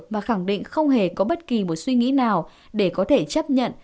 và khẳng định không hề có bất kỳ một suy nghĩ nào để có thể chấp nhận